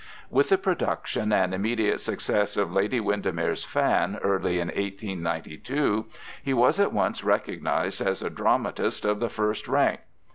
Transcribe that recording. With the production and immediate success of Lady Windermere's Fan early in 1892, he was at once recognised as a dramatist of the first rank.